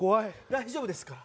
大丈夫ですから。